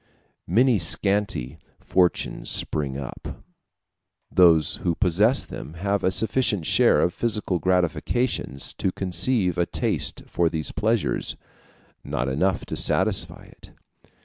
Many scanty fortunes spring up; those who possess them have a sufficient share of physical gratifications to conceive a taste for these pleasures not enough to satisfy it.